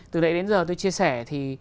từ đấy đến giờ tôi chia sẻ thì